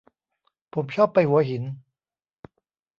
ผมชอบไปหัวหิน